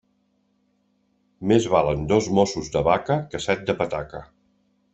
Més valen dos mossos de vaca que set de pataca.